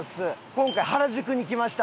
今回原宿に来ました。